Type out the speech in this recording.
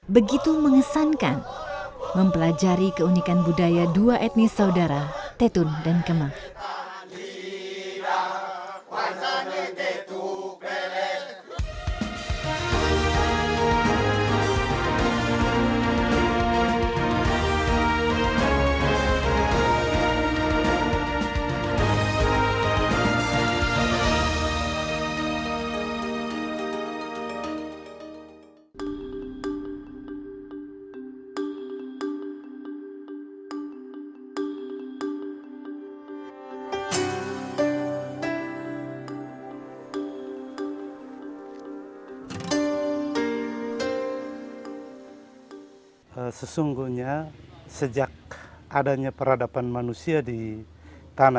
begitu mengesankan mempelajari keunikan budaya dua etnis saudara tetun dan kemang